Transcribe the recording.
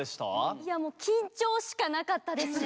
いやもう緊張しかなかったですね。